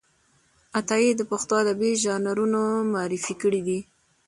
عطايي د پښتو ادبي ژانرونه معرفي کړي دي.